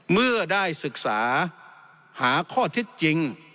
เมื่อได้ศึกษาหาข้อเท็จจริง